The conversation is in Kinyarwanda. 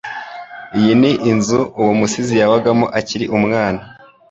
Iyi ni inzu uwo musizi yabagamo akiri umwana.